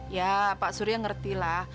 ya pak surya ngertilah